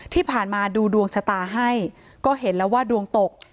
ที่ผ่านมาดูดวงชะตาให้ก็เห็นแล้วว่าดวงตก